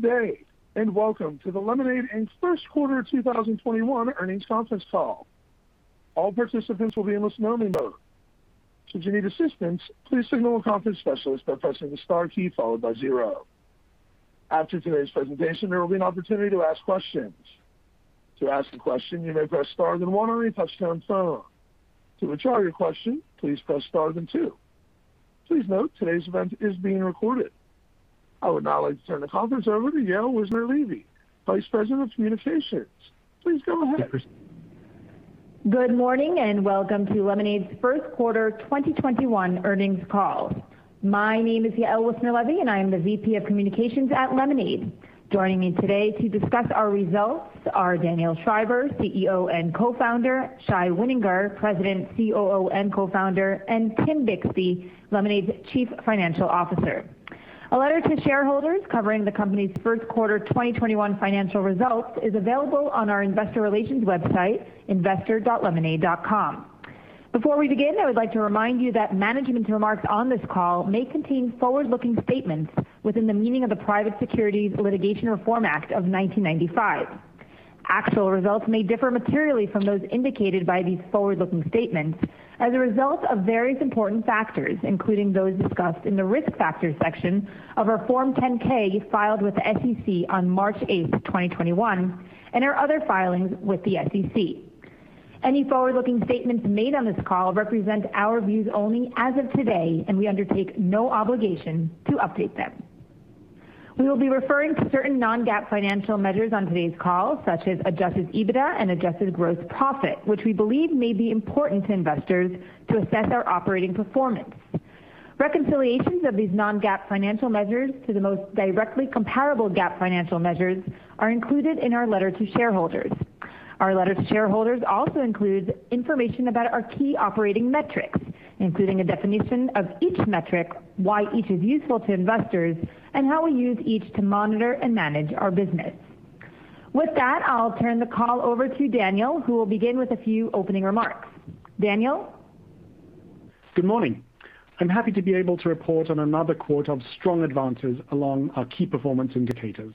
Good day. Welcome to the Lemonade and first quarter 2021 earnings conference call. All participants will be in listen-only mode. Should you need assistance, please signal a conference specialist by pressing the star key followed by zero. After today's presentation, there will be an opportunity to ask questions. To ask a question, you may press star then one on your touchtone phone. To withdraw your question, please press star then two. Please note today's event is being recorded. I would now like to turn the conference over to Yael Wissner-Levy, Vice President of Communications. Please go ahead. Good morning, welcome to Lemonade's first quarter 2021 earnings call. My name is Yael Wissner-Levy, and I am the VP of Communications at Lemonade. Joining me today to discuss our results are Daniel Schreiber, CEO and Co-Founder; Shai Wininger, President, COO, and Co-Founder; and Tim Bixby, Lemonade's Chief Financial Officer. A letter to shareholders covering the company's first quarter 2021 financial results is available on our investor relations website, investor.lemonade.com. Before we begin, I would like to remind you that management's remarks on this call may contain forward-looking statements within the meaning of the Private Securities Litigation Reform Act of 1995. Actual results may differ materially from those indicated by these forward-looking statements as a result of various important factors, including those discussed in the Risk Factors section of our Form 10-K filed with the SEC on March 8th, 2021, and our other filings with the SEC. Any forward-looking statements made on this call represent our views only as of today, and we undertake no obligation to update them. We will be referring to certain non-GAAP financial measures on today's call, such as adjusted EBITDA and adjusted gross profit, which we believe may be important to investors to assess our operating performance. Reconciliations of these non-GAAP financial measures to the most directly comparable GAAP financial measures are included in our letter to shareholders. Our letter to shareholders also includes information about our key operating metrics, including a definition of each metric, why each is useful to investors, and how we use each to monitor and manage our business. With that, I'll turn the call over to Daniel, who will begin with a few opening remarks. Daniel? Good morning. I'm happy to be able to report on another quarter of strong advances along our key performance indicators.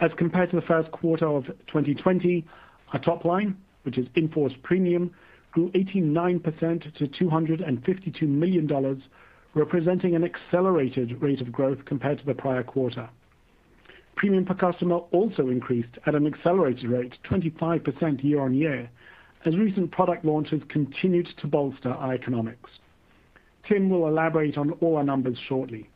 As compared to the first quarter of 2020, our top line, which is in-force premium, grew 89% to $252 million, representing an accelerated rate of growth compared to the prior quarter. Premium per customer also increased at an accelerated rate, 25% year-on-year, as recent product launches continued to bolster our economics. Tim will elaborate on all our numbers shortly.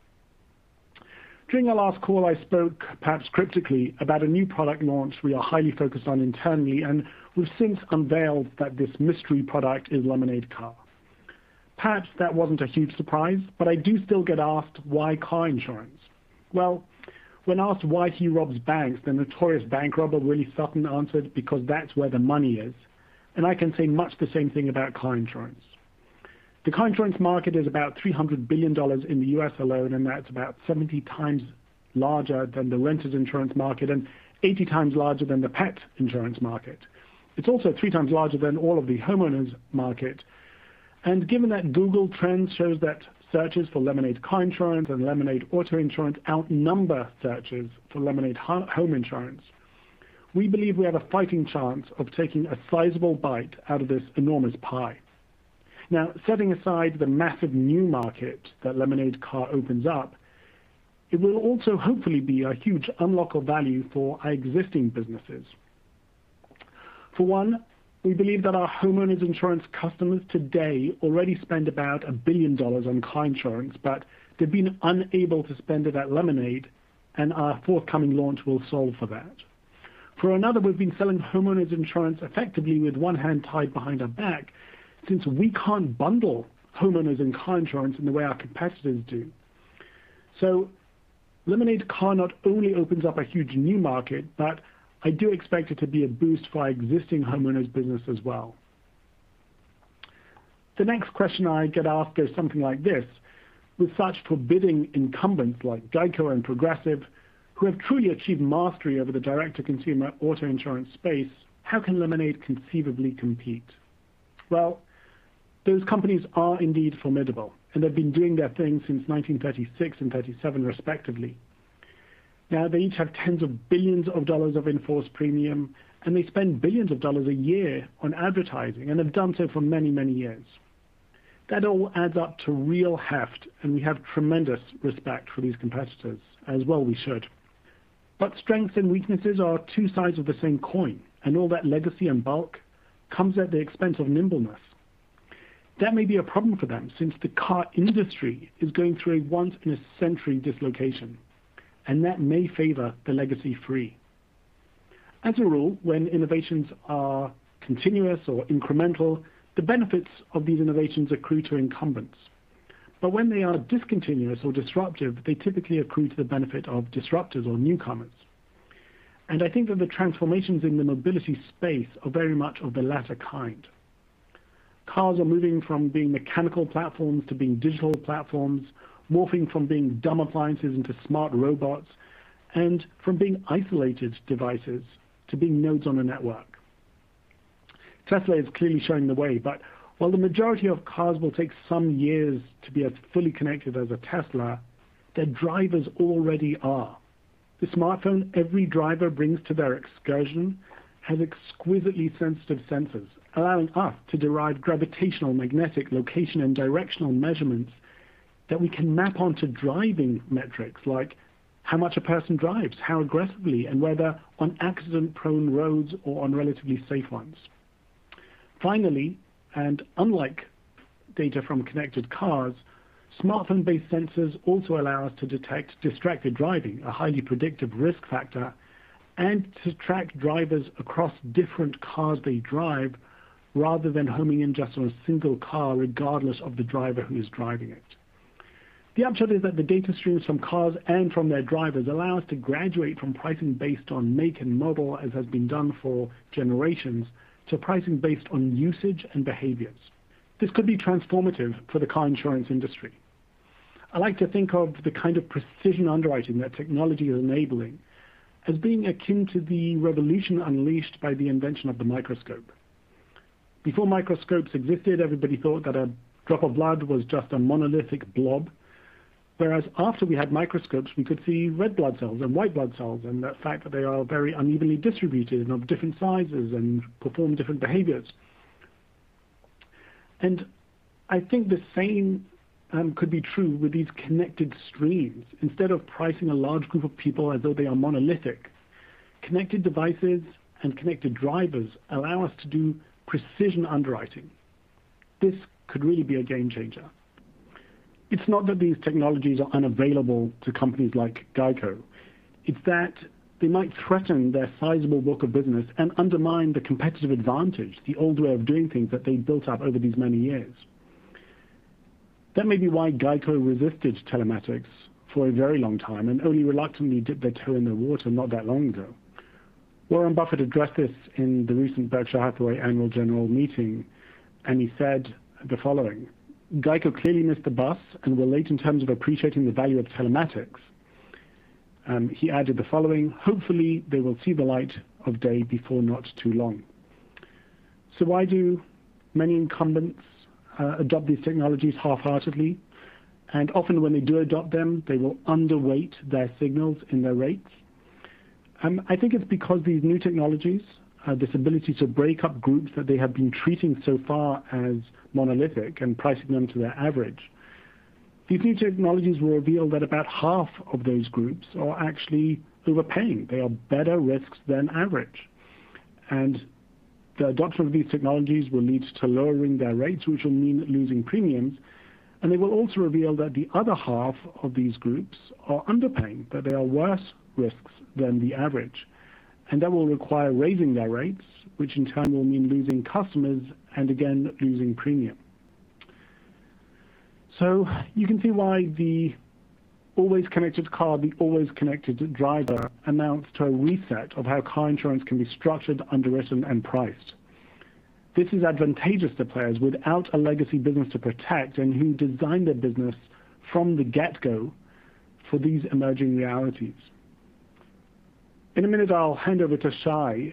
During our last call, I spoke perhaps cryptically about a new product launch we are highly focused on internally, and we've since unveiled that this mystery product is Lemonade Car. Perhaps that wasn't a huge surprise. I do still get asked, "Why car insurance?" Well, when asked why he robs banks, the notorious bank robber Willie Sutton answered, "Because that's where the money is." I can say much the same thing about car insurance. The car insurance market is about $300 billion in the U.S. alone, that's about 70x larger than the renters insurance market and 80x larger than the pet insurance market. It's also 3x larger than all of the homeowners market. Given that Google Trends shows that searches for Lemonade Car insurance and Lemonade auto insurance outnumber searches for Lemonade home insurance, we believe we have a fighting chance of taking a sizable bite out of this enormous pie. Setting aside the massive new market that Lemonade Car opens up, it will also hopefully be a huge unlock of value for our existing businesses. For one, we believe that our homeowners insurance customers today already spend about $1 billion on car insurance, but they've been unable to spend it at Lemonade, and our forthcoming launch will solve for that. For another, we've been selling homeowners insurance effectively with one hand tied behind our back since we can't bundle homeowners and car insurance in the way our competitors do. Lemonade Car not only opens up a huge new market, but I do expect it to be a boost for our existing homeowners' business as well. The next question I get asked is something like this: with such forbidding incumbents like GEICO and Progressive who have truly achieved mastery over the direct-to-consumer auto insurance space, how can Lemonade conceivably compete? Well, those companies are indeed formidable; they've been doing their thing since 1936 and 1937, respectively. Now, they each have tens of billions of dollars of in-force premium, they spend billions of dollars a year on advertising and have done so for many, many years. That all adds up to real heft. We have tremendous respect for these competitors, as well we should. Strengths and weaknesses are two sides of the same coin; all that legacy and bulk comes at the expense of nimbleness. That may be a problem for them since the car industry is going through a once-in-a-century dislocation, that may favor the legacy-free. As a rule, when innovations are continuous or incremental, the benefits of these innovations accrue to incumbents. When they are discontinuous or disruptive, they typically accrue to the benefit of disruptors or newcomers. I think that the transformations in the mobility space are very much of the latter kind. Cars are moving from being mechanical platforms to being digital platforms, morphing from being dumb appliances into smart robots, and from being isolated devices to being nodes on a network. Tesla is clearly showing the way. While the majority of cars will take some years to be as fully connected as a Tesla, their drivers already are. The smartphone every driver brings to their excursion has exquisitely sensitive sensors, allowing us to derive gravitational, magnetic, location, and directional measurements that we can map onto driving metrics like how much a person drives, how aggressively, and whether on accident-prone roads or on relatively safe ones. Finally, and unlike data from connected cars, smartphone-based sensors also allow us to detect distracted driving, a highly predictive risk factor, and to track drivers across different cars they drive, rather than homing in just on a single car, regardless of the driver who is driving it. The upshot is that the data streams from cars and from their drivers allow us to graduate from pricing based on make and model, as has been done for generations, to pricing based on usage and behaviors. This could be transformative for the car insurance industry. I like to think of the kind of precision underwriting that technology is enabling as being akin to the revolution unleashed by the invention of the microscope. Before microscopes existed, everybody thought that a drop of blood was just a monolithic blob, whereas after we had microscopes, we could see red blood cells and white blood cells, and the fact that they are very unevenly distributed and of different sizes and perform different behaviors. I think the same could be true with these connected streams. Instead of pricing a large group of people as though they are monolithic, connected devices and connected drivers allow us to do precision underwriting. This could really be a game-changer. It's not that these technologies are unavailable to companies like GEICO. It's that they might threaten their sizable book of business and undermine the competitive advantage, the old way of doing things that they built up over these many years. That may be why GEICO resisted telematics for a very long time and only reluctantly dipped their toe in the water not that long ago. Warren Buffett addressed this in the recent Berkshire Hathaway annual general meeting, and he said the following: "GEICO clearly missed the bus and were late in terms of appreciating the value of telematics." He added the following, "Hopefully, they will see the light of day before not too long." Why do many incumbents adopt these technologies half-heartedly? Often, when they do adopt them, they will underweight their signals in their rates. I think it's because these new technologies have this ability to break up groups that they have been treating so far as monolithic and pricing them to their average. These new technologies will reveal that about half of those groups are actually overpaying. They are better risks than average. The adoption of these technologies will lead to lowering their rates, which will mean losing premiums, and they will also reveal that the other half of these groups are underpaying, that they are worse risks than the average. That will require raising their rates, which in turn will mean losing customers and again, losing premium. You can see why the always-connected car, the always-connected driver, amounts to a reset of how car insurance can be structured, underwritten, and priced. This is advantageous to players without a legacy business to protect and who design their business from the get-go for these emerging realities. In a minute, I'll hand over to Shai.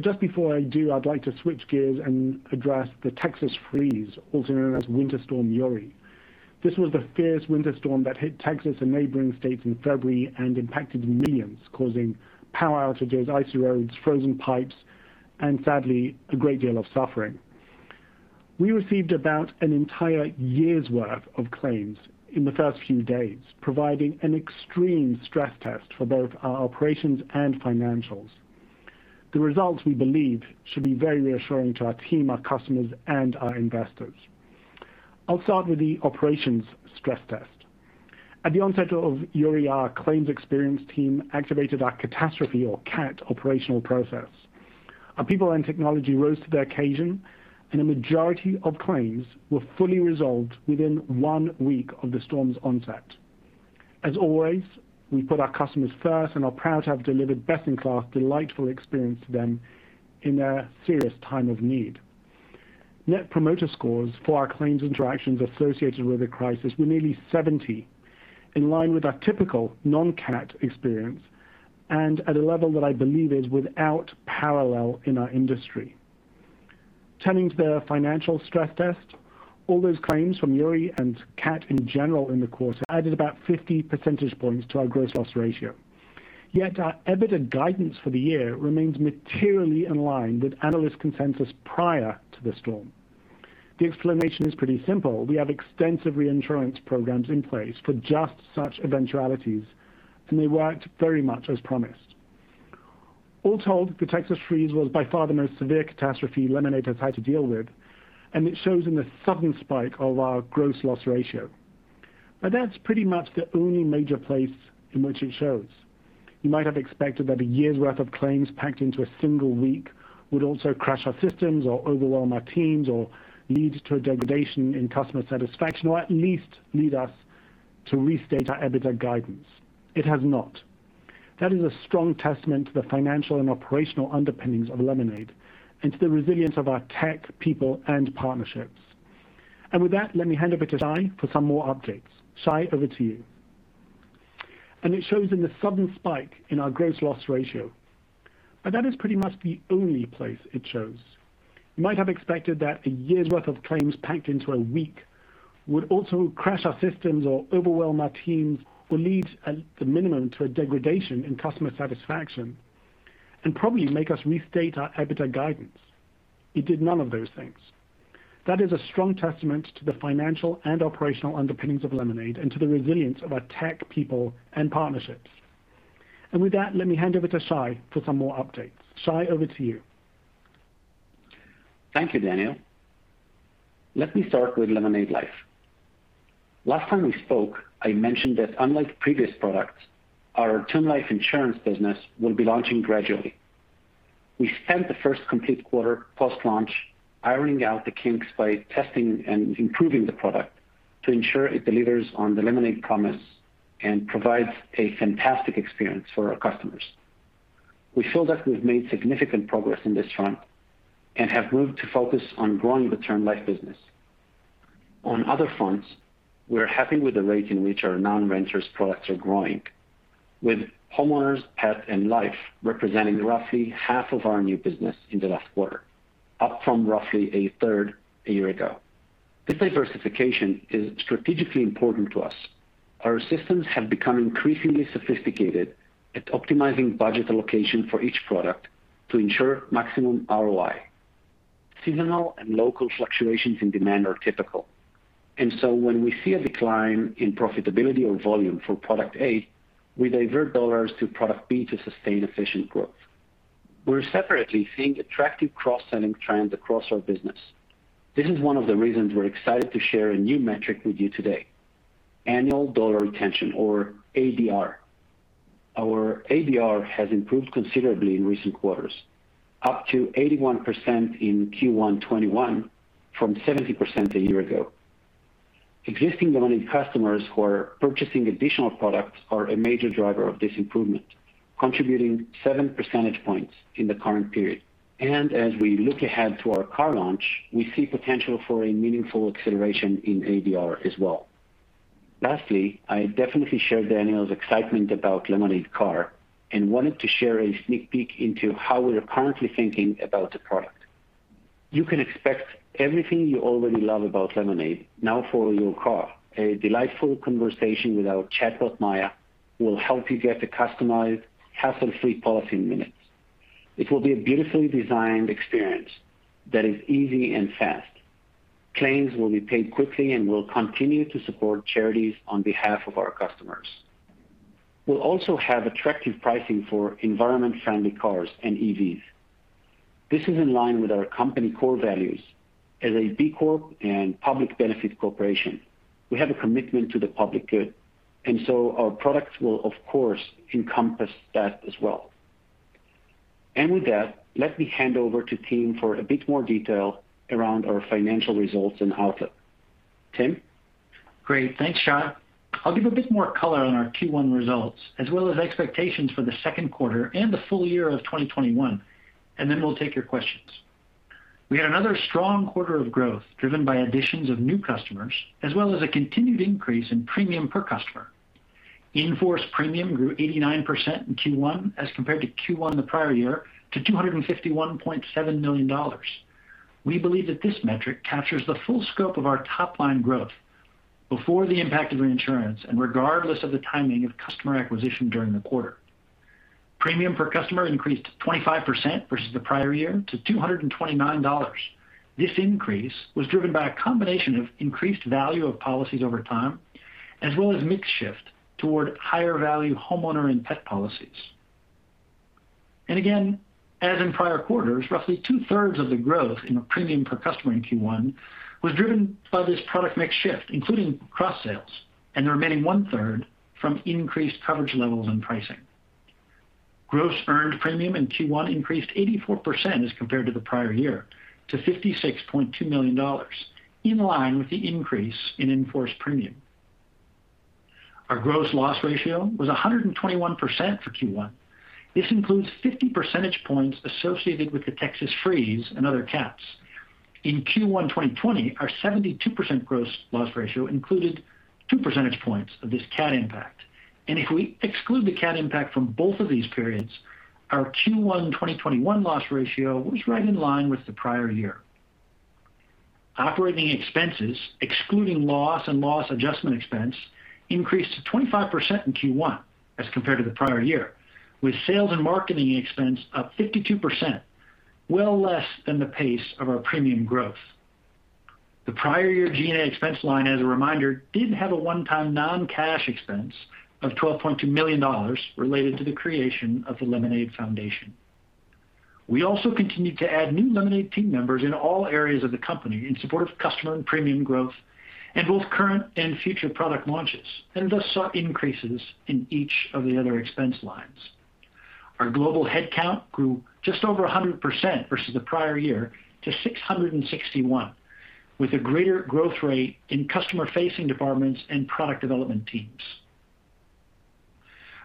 Just before I do, I'd like to switch gears and address the Texas freeze, also known as Winter Storm Uri. This was the fierce winter storm that hit Texas and neighboring states in February and impacted millions, causing power outages, icy roads, frozen pipes, and, sadly, a great deal of suffering. We received about an entire year's worth of claims in the first few days, providing an extreme stress test for both our operations and financials. The results, we believe, should be very reassuring to our team, our customers, and our investors. I'll start with the operations stress test. At the onset of Uri, our claims experience team activated our catastrophe or CAT operational process. Our people and technology rose to the occasion. A majority of claims were fully resolved within one week of the storm's onset. As always, we put our customers first and are proud to have delivered best-in-class, delightful experience to them in their serious time of need. Net promoter scores for our claims interactions associated with the crisis were nearly 70, in line with our typical non-CAT experience and at a level that I believe is without parallel in our industry. Turning to the financial stress test, all those claims from Uri and CAT in general in the quarter added about 50 percentage points to our gross loss ratio. Our EBITDA guidance for the year remains materially in line with analyst consensus prior to the storm. The explanation is pretty simple. We have extensive reinsurance programs in place for just such eventualities. They worked very much as promised. All told, Winter Storm Uri was by far the most severe catastrophe Lemonade has had to deal with; it shows in the sudden spike of our gross loss ratio. That's pretty much the only major place in which it shows. You might have expected that a year's worth of claims packed into a single week would also crash our systems or overwhelm our teams, or lead to a degradation in customer satisfaction, or at least lead us to restate our EBITDA guidance. It has not. That is a strong testament to the financial and operational underpinnings of Lemonade and to the resilience of our tech, people, and partnerships. With that, let me hand over to Shai for some more updates. Shai, over to you. It shows in the sudden spike in our gross loss ratio. That is pretty much the only place it shows. You might have expected that a year's worth of claims packed into a week would also crash our systems or overwhelm our teams, or lead, at the minimum, to a degradation in customer satisfaction, and probably make us restate our EBITDA guidance. It did none of those things. That is a strong testament to the financial and operational underpinnings of Lemonade and to the resilience of our tech people and partnerships. With that, let me hand over to Shai for some more updates. Shai, over to you. Thank you, Daniel. Let me start with Lemonade Life. Last time we spoke, I mentioned that, unlike previous products, our term life insurance business will be launching gradually. We spent the first complete quarter post-launch ironing out the kinks by testing and improving the product to ensure it delivers on the Lemonade promise and provides a fantastic experience for our customers. We feel that we've made significant progress on this front and have moved to focus on growing the term life business. On other fronts, we're happy with the rate in which our non-renters products are growing, with Homeowners, Pet, and Life representing roughly half of our new business in the last quarter, up from roughly a third a year ago. This diversification is strategically important to us. Our systems have become increasingly sophisticated at optimizing budget allocation for each product to ensure maximum ROI. When we see a decline in profitability or volume for product A, we divert dollars to product B to sustain efficient growth. We're separately seeing attractive cross-selling trends across our business. This is one of the reasons we're excited to share a new metric with you today, annual dollar retention or ADR. Our ADR has improved considerably in recent quarters, up to 81% in Q1 2021 from 70% a year ago. Existing Lemonade customers who are purchasing additional products are a major driver of this improvement, contributing seven percentage points in the current period. As we look ahead to our Lemonade Car launch, we see potential for a meaningful acceleration in ADR as well. Lastly, I definitely share Daniel's excitement about Lemonade Car and wanted to share a sneak peek into how we are currently thinking about the product. You can expect everything you already love about Lemonade now for your car. A delightful conversation with our chatbot, Maya, will help you get a customized, hassle-free policy in minutes. It will be a beautifully designed experience that is easy and fast. Claims will be paid quickly, and we'll continue to support charities on behalf of our customers. We'll also have attractive pricing for environment-friendly cars and EVs. This is in line with our company core values. As a B Corp and public benefit corporation, we have a commitment to the public good, and so our products will, of course, encompass that as well. With that, let me hand over to Tim for a bit more detail around our financial results and outlook. Tim? Great. Thanks, Shai. I'll give a bit more color on our Q1 results, as well as expectations for the second quarter and the full year of 2021, and then we'll take your questions. We had another strong quarter of growth driven by additions of new customers, as well as a continued increase in premium per customer. In-force premium grew 89% in Q1 as compared to Q1 the prior year to $251.7 million. We believe that this metric captures the full scope of our top-line growth before the impact of reinsurance and regardless of the timing of customer acquisition during the quarter. Premium per customer increased to 25% versus the prior year to $229. This increase was driven by a combination of increased value of policies over time, as well as mix shift toward higher value homeowner and pet policies. Again, as in prior quarters, roughly two-thirds of the growth in premium per customer in Q1 was driven by this product mix shift, including cross-sales, and the remaining one-third from increased coverage levels and pricing. Gross earned premium in Q1 increased 84% as compared to the prior year to $56.2 million, in line with the increase in in-force premium. Our gross loss ratio was 121% for Q1. This includes 50 percentage points associated with Winter Storm Uri and other CATs. In Q1 2020, our 72% gross loss ratio included two percentage points of this CAT impact. If we exclude the CAT impact from both of these periods, our Q1 2021 loss ratio was right in line with the prior year. Operating expenses, excluding loss and loss adjustment expense, increased to 25% in Q1 as compared to the prior year, with sales and marketing expense up 52%, well less than the pace of our premium growth. The prior year G&A expense line, as a reminder, did have a one-time non-cash expense of $12.2 million related to the creation of the Lemonade Foundation. We also continued to add new Lemonade team members in all areas of the company in support of customer and premium growth in both current and future product launches, and thus saw increases in each of the other expense lines. Our global headcount grew just over 100% versus the prior year to 661, with a greater growth rate in customer-facing departments and product development teams.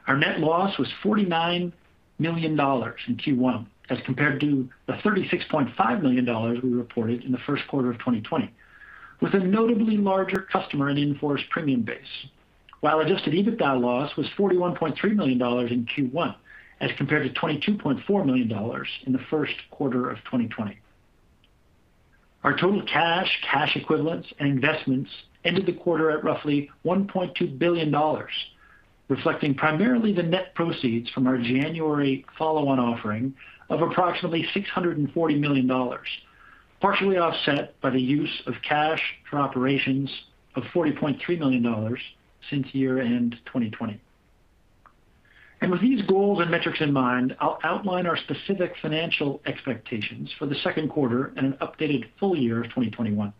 Our net loss was $49 million in Q1 as compared to the $36.5 million we reported in the first quarter of 2020. With a notably larger customer and in-force premium base. Adjusted EBITDA loss was $41.3 million in Q1 as compared to $22.4 million in the first quarter of 2020. Our total cash equivalents and investments ended the quarter at roughly $1.2 billion, reflecting primarily the net proceeds from our January follow-on offering of approximately $640 million, partially offset by the use of cash for operations of $40.3 million since year-end 2020. With these goals and metrics in mind, I'll outline our specific financial expectations for the second quarter and an updated full year of 2021.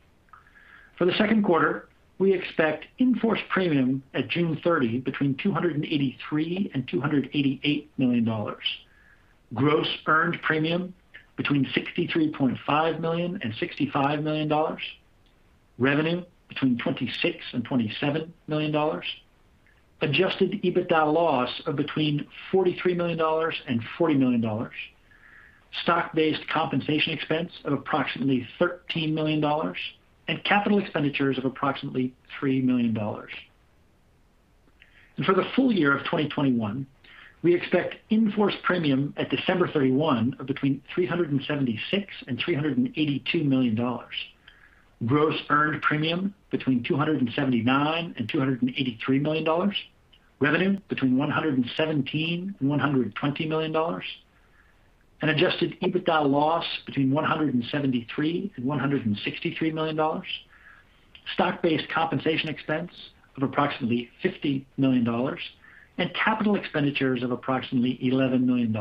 For the second quarter, we expect in-force premium at June 30 between $283 million and $288 million. Gross earned premium between $63.5 million and $65 million. Revenue between $26 million and $27 million. Adjusted EBITDA loss of between $43 million and $40 million. Stock-based compensation expense of approximately $13 million, and capital expenditures of approximately $3 million. For the full year of 2021, we expect in-force premium at December 31 of between $376 million and $382 million. Gross earned premium between $279 million and $283 million. Revenue between $117 million and $120 million. An adjusted EBITDA loss between $173 million and $163 million. Stock-based compensation expense of approximately $50 million, and capital expenditures of approximately $11 million.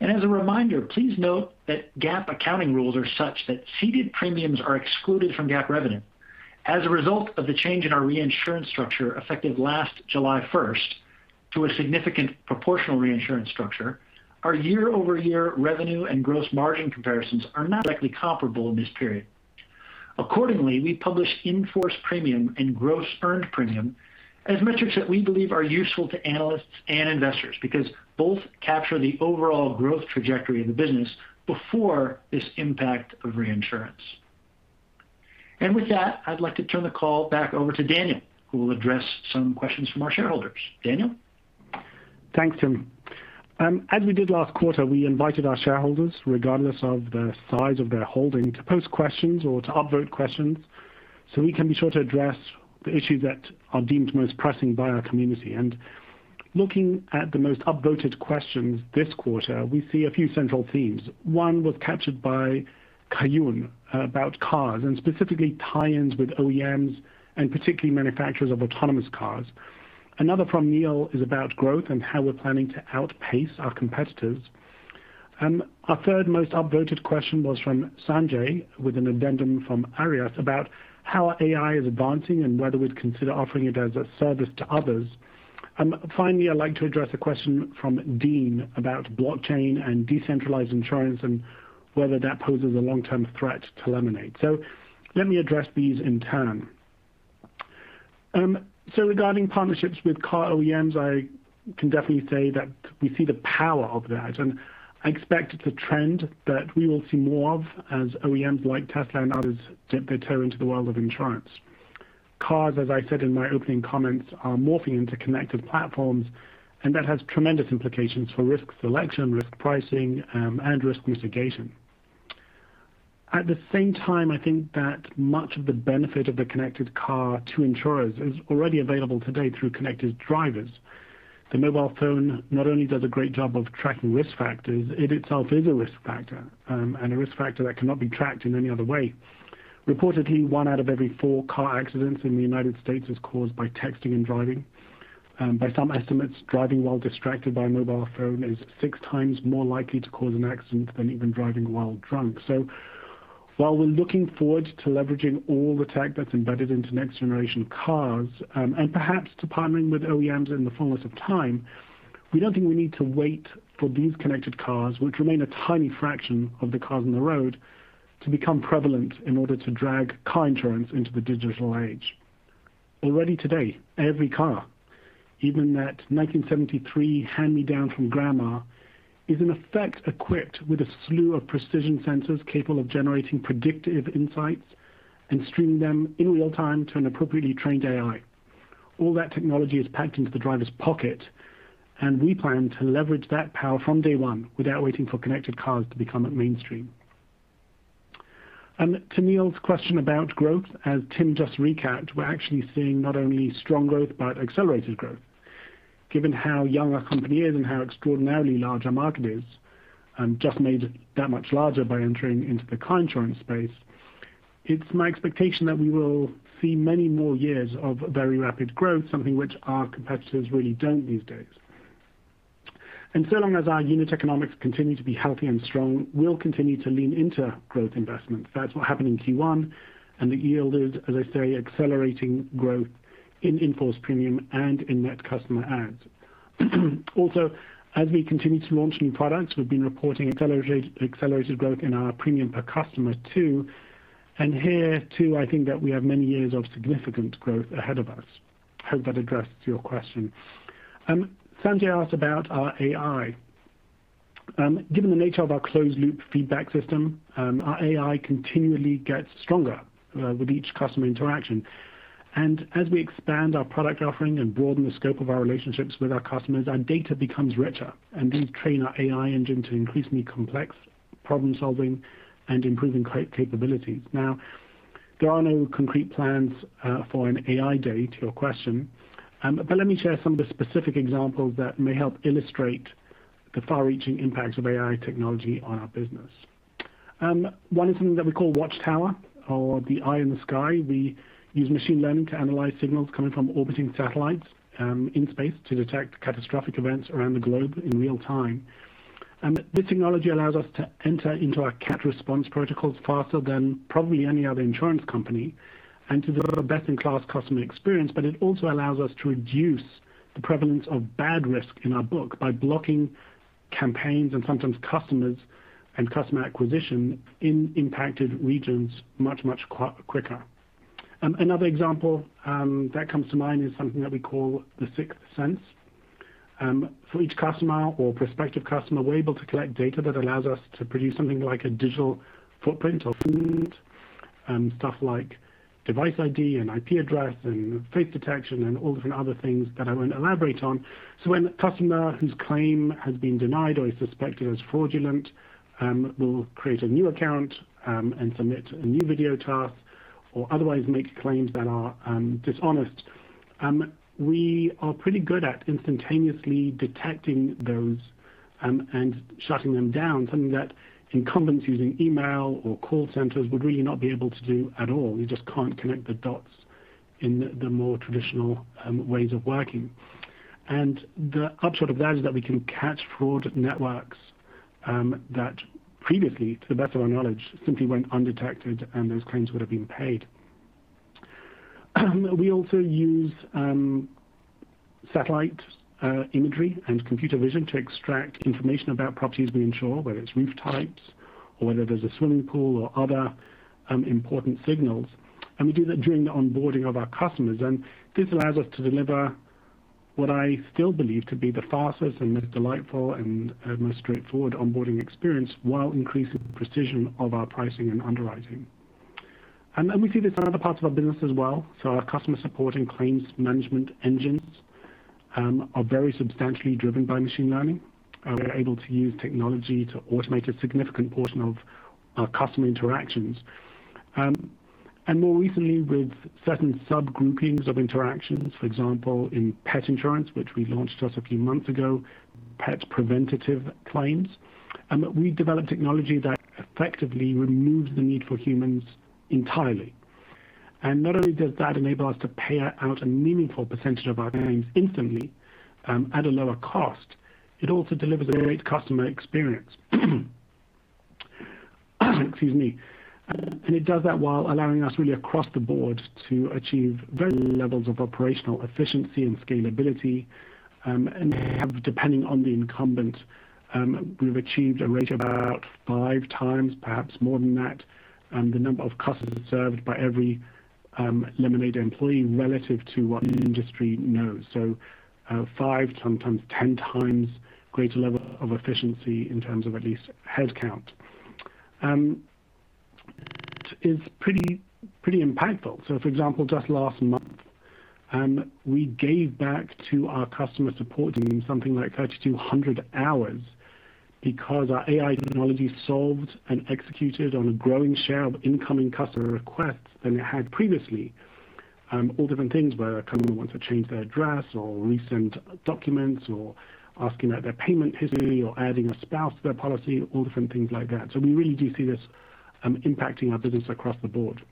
As a reminder, please note that GAAP accounting rules are such that ceded premiums are excluded from GAAP revenue. As a result of the change in our reinsurance structure, effective last July 1st, to a significant proportional reinsurance structure, our year-over-year revenue and gross margin comparisons are not directly comparable in this period. Accordingly, we publish in-force premium and gross earned premium as metrics that we believe are useful to analysts and investors because both capture the overall growth trajectory of the business before this impact of reinsurance. With that, I'd like to turn the call back over to Daniel, who will address some questions from our shareholders. Daniel? Thanks, Tim. As we did last quarter, we invited our shareholders, regardless of the size of their holding, to post questions or to upvote questions so we can be sure to address the issues that are deemed most pressing by our community. Looking at the most upvoted questions this quarter, we see a few central themes. One was captured by Kayun about cars and specifically tie-ins with OEMs and particularly manufacturers of autonomous cars. Another from Neil is about growth and how we're planning to outpace our competitors. Our third most upvoted question was from Sanjay with an addendum from Arias about how AI is advancing and whether we'd consider offering it as a service to others. Finally, I'd like to address a question from Dean about blockchain and decentralized insurance and whether that poses a long-term threat to Lemonade. Let me address these in turn. Regarding partnerships with car OEMs, I can definitely say that we see the power of that, and I expect it's a trend that we will see more of as OEMs like Tesla and others dip their toe into the world of insurance. Cars, as I said in my opening comments, are morphing into connected platforms, and that has tremendous implications for risk selection, risk pricing, and risk mitigation. At the same time, I think that much of the benefit of the connected car to insurers is already available today through connected drivers. The mobile phone not only does a great job of tracking risk factors, it itself is a risk factor, and a risk factor that cannot be tracked in any other way. Reportedly, one out of every four car accidents in the United States is caused by texting and driving. By some estimates, driving while distracted by a mobile phone is six times more likely to cause an accident than even driving while drunk. While we're looking forward to leveraging all the tech that's embedded into next-generation cars, and perhaps to partnering with OEMs in the fullness of time, we don't think we need to wait for these connected cars, which remain a tiny fraction of the cars on the road, to become prevalent in order to drag car insurance into the digital age. Already today, every car, even that 1973 hand-me-down from grandma, is in effect equipped with a slew of precision sensors capable of generating predictive insights and streaming them in real time to an appropriately trained AI. All that technology is packed into the driver's pocket, and we plan to leverage that power from day one without waiting for connected cars to become mainstream. To Neil's question about growth, as Tim just recapped, we're actually seeing not only strong growth but accelerated growth. Given how young our company is and how extraordinarily large our market is, and just made that much larger by entering into the car insurance space, it's my expectation that we will see many more years of very rapid growth, something which our competitors really don't these days. So long as our unit economics continue to be healthy and strong, we'll continue to lean into growth investments. That's what happened in Q1. It yielded, as I say, accelerating growth in in-force premium and in net customer adds. Also, as we continue to launch new products, we've been reporting accelerated growth in our premium per customer, too. Here, too, I think that we have many years of significant growth ahead of us. Hope that addresses your question. Sanjay asked about our AI. Given the nature of our closed-loop feedback system, our AI continually gets stronger with each customer interaction. As we expand our product offering and broaden the scope of our relationships with our customers, our data becomes richer and we train our AI engine to increasingly complex problem-solving and improving capabilities. There are no concrete plans for an AI day to your question. Let me share some of the specific examples that may help illustrate the far-reaching impacts of AI technology on our business. One is something that we call Watchtower or the Eye in the Sky. We use machine learning to analyze signals coming from orbiting satellites in space to detect catastrophic events around the globe in real time. This technology allows us to enter into our CAT response protocols faster than probably any other insurance company and to deliver a best-in-class customer experience, but it also allows us to reduce the prevalence of bad risk in our book by blocking campaigns and sometimes customers and customer acquisition in impacted regions much quicker. Another example that comes to mind is something that we call The Sixth Sense. For each customer or prospective customer, we're able to collect data that allows us to produce something like a digital footprint or stuff like device ID and IP address and face detection, and all different other things that I won't elaborate on. When a customer whose claim has been denied or is suspected as fraudulent will create a new account and submit a new video task or otherwise make claims that are dishonest. We are pretty good at instantaneously detecting those and shutting them down, something that incumbents using email or call centers would really not be able to do at all. You just can't connect the dots in the more traditional ways of working. The upshot of that is that we can catch fraud networks that previously, to the best of our knowledge, simply went undetected and those claims would have been paid. We also use satellite imagery and computer vision to extract information about properties we insure, whether it's roof types or whether there's a swimming pool or other important signals. We do that during the onboarding of our customers. This allows us to deliver what I still believe to be the fastest and most delightful, and most straightforward onboarding experience while increasing the precision of our pricing and underwriting. We see this in other parts of our business as well. Our customer support and claims management engines are very substantially driven by machine learning. We are able to use technology to automate a significant portion of our customer interactions. More recently, with certain subgroupings of interactions, for example, in pet insurance, which we launched just a few months ago, for Pets' preventative claims, we developed technology that effectively removes the need for humans entirely. Not only does that enable us to pay out a meaningful percentage of our claims instantly at a lower cost, it also delivers a great customer experience. Excuse me. It does that while allowing us really across the board to achieve very levels of operational efficiency and scalability, and depending on the incumbent, we've achieved a ratio about 5x, perhaps more than that, the number of customers served by every Lemonade employee relative to what the industry knows. Five, sometimes 10x greater level of efficiency in terms of at least headcount. It is pretty impactful. For example, just last month, we gave back to our customer support team something like 3,200 hours because our AI technology solved and executed on a growing share of incoming customer requests than it had previously. All different things, whether a customer wants to change their address or resend documents or asking about their payment history or adding a spouse to their policy, all different things like that. We really do see this impacting our business across the board.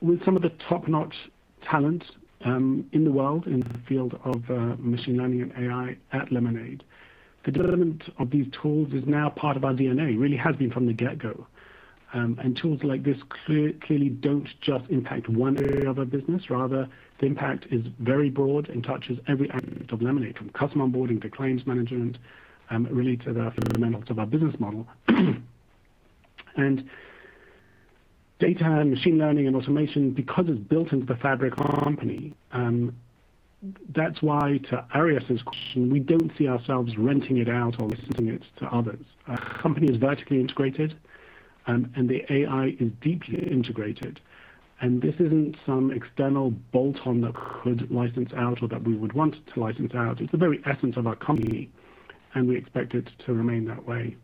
With some of the top-notch talent in the world in the field of machine learning and AI at Lemonade, the development of these tools is now part of our DNA, really has been from the get-go. Tools like this clearly don't just impact one area of a business. Rather, the impact is very broad and touches every aspect of Lemonade, from customer onboarding to claims management, really to the fundamentals of our business model. Data and machine learning, and automation, because it's built into the fabric of the company, that's why to Arias's question, we don't see ourselves renting it out or licensing it to others. Our company is vertically integrated, and the AI is deeply integrated. This isn't some external bolt-on that we could license out or that we would want to license out. It's the very essence of our company, and we expect it to remain that way.